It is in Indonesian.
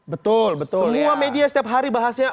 betul betul semua media setiap hari bahasnya